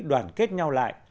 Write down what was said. đoàn kết nhau lại